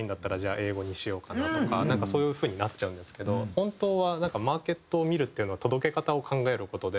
英語にしようかなとかなんかそういう風になっちゃうんですけど本当はマーケットを見るというのは届け方を考える事で。